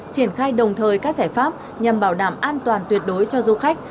triển khai đồng thời các giải pháp nhằm bảo đảm an toàn tuyệt đối cho du khách